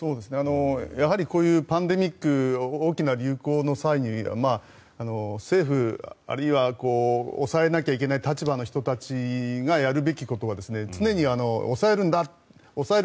こういうパンデミック大きな流行の際に政府、あるいは抑えなきゃいけない立場の人たちがやるべきことは常に抑えるんだ抑える